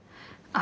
あ。